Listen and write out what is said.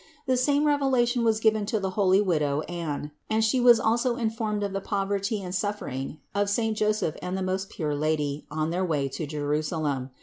The same revelation was given to the holy widow Anne, and she was also informed of the poverty and suffering of saint Joseph and the most pure Lady on their way to Jeru salem.